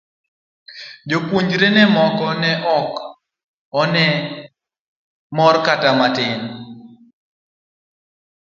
Jopuonjrene moko to ok ne mor kata matin.